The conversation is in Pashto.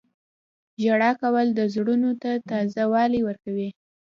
• ژړا کول د زړونو ته تازه والی ورکوي.